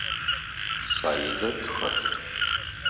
Саидэ тхэщт.